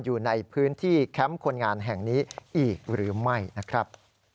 อยู่ในพื้นที่แคมป์คนงานแห่งนี้อีกหรือไม่นะครับ